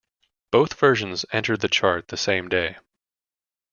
Both versions entered the chart the same day.